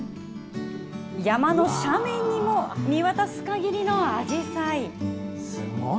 山の斜面にも、見渡すかぎりのあじさい。